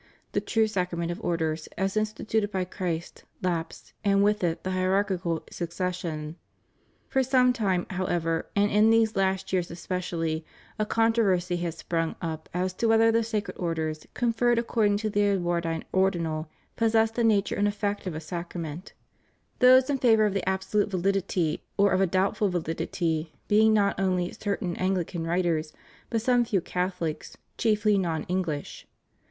the true Sacra ment of Orders, as instituted by Christ, lapsed, and with it the hierarchical succession. For some time, however, and in these last years especially, a controversy has sprung up as to whether the Sacred Orders conferred according to the Edwardine Ordinal possessed the nature and effect of a sacrament: those in favor of the absolute validity, or of a doubtful validity, being not only certain Anglican writers, but some few CathoUcs, chiefly non English.